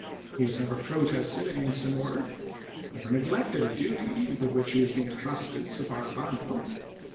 He has never protested against an order — never neglected a duty with which he has been intrusted, so far as I know.